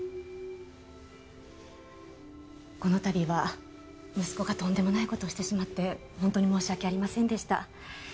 この度は息子がとんでもない事をしてしまって本当に申し訳ありませんでした。